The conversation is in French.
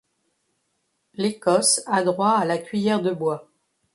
L'Écosse a droit à la cuillère de bois.